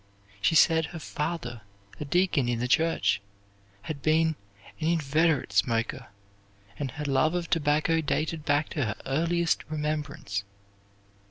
She said her father, a deacon in the church, had been an inveterate smoker, and her love of tobacco dated back to her earliest remembrance.